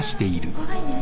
怖いね。